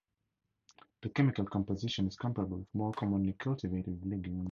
The chemical composition is comparable with more commonly cultivated legumes.